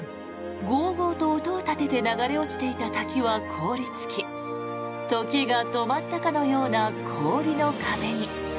ごうごうと音を立てて流れ落ちていた滝は凍りつき時が止まったかのような氷の壁に。